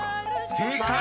［正解！